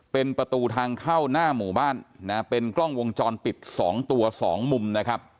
เป็นประตูทางเข้าหน้าหมู่บ้านนะเป็นกล้องวงจรปิด๒ตัว๒มุมนะครับ